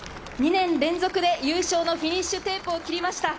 ２年連続で優勝のフィニッシュテープを切りました。